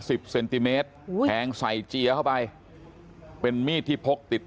สิบเซนติเมตรแทงใส่เจียเข้าไปเป็นมีดที่พกติด